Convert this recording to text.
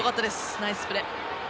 ナイスプレー。